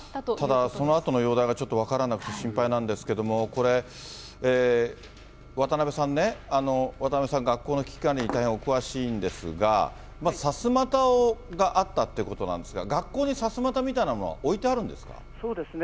ただそのあとの容体が、ちょっと分からなくて心配なんですけども、これ、渡邉さんね、渡邉さん、学校の危機管理に大変お詳しいんですが、さすまたがあったってことなんですが、学校にさすまたみたいなもそうですね。